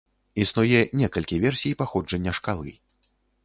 Існуе некалькі версій паходжання шкалы.